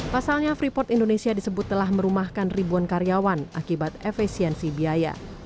pasalnya freeport indonesia disebut telah merumahkan ribuan karyawan akibat efisiensi biaya